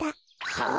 はあ？